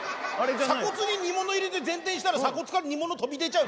鎖骨に煮物入れて前転したら鎖骨から煮物飛び出ちゃうだろ。